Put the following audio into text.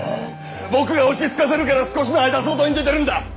僕が落ち着かせるから少しの間外に出てるんだッ。